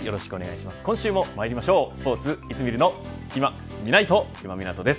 今週もまいりましょうスポーツいつ見るのいまみないと、今湊です。